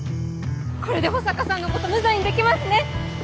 これで保坂さんのこと無罪にできますね！